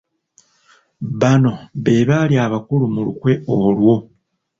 Bano be baali abakulu mu lukwe olwo.